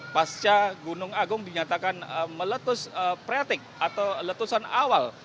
pasca gunung agung dinyatakan meletus pratik atau letusan awal